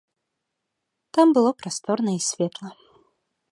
Там было прасторна і светла.